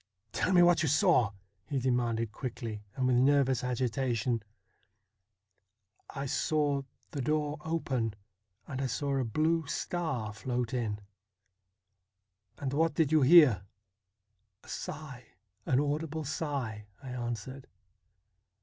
'Tell me what you saw ?' he demanded quickly and with nervous agitation. ' I saw the door open, and I saw a blue star float in,' ' And what did you hear ?' THE BLUE STAR 33 'A sigli, an audible sigh,' I answered.